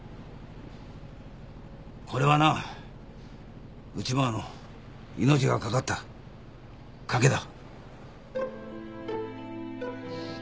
これはな内ばあの命がかかった賭けだ。